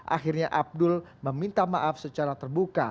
akhirnya abdul meminta maaf secara terbuka